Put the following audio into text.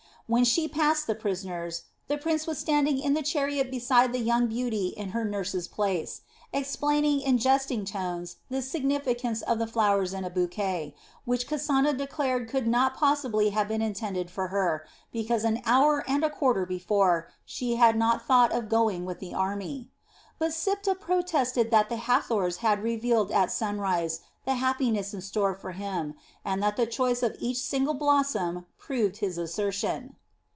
When she passed the prisoners, the prince was standing in the chariot beside the young beauty in her nurse's place, explaining in jesting tones the significance of the flowers in a bouquet, which Kasana declared could not possibly have been intended for her, because an hour and a quarter before she had not thought of going with the army. But Siptah protested that the Hathors had revealed at sunrise the happiness in store for him, and that the choice of each single blossom proved his assertion.